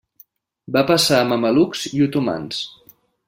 Va passar a mamelucs i otomans.